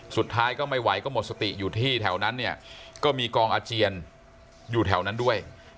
สุดท้ายก็ไม่ไหวก็หมดสติอยู่ที่แถวนั้นเนี่ยก็มีกองอาเจียนอยู่แถวนั้นด้วย